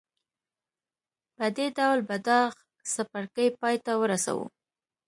په دې ډول به دا څپرکی پای ته ورسوو.